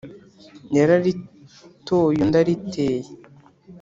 Yararitoy'und'ariteye